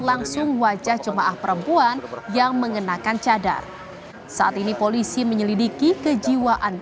langsung wajah jemaah perempuan yang mengenakan cadar saat ini polisi menyelidiki kejiwaan